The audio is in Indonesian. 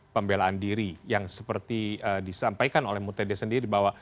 pembelaan diri yang seperti disampaikan oleh mutede sendiri bahwa